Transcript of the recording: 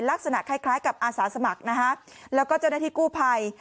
ลักษณะคล้ายกับอาสาสมัครนะฮะแล้วก็เจ้าหน้าที่กู้ภัย